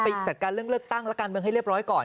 จัดการเรื่องเลือกตั้งและการเมืองให้เรียบร้อยก่อน